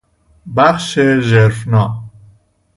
بخش ژرفنا